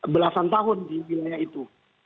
belasan tahun di wilayah itu